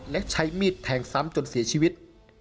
และใช้มีดแทงซ้ำจนเสียชีวิต